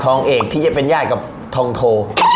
เอกที่จะเป็นญาติกับทองโท